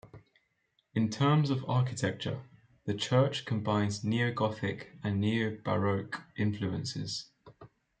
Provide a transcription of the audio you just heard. In terms of architecture, the church combines Neo-Gothic and Neo-Baroque influences.